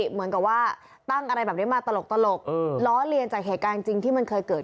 เหมือนกับว่าตั้งอะไรแบบนี้มาตลกล้อเลียนจากเหตุการณ์จริงที่มันเคยเกิด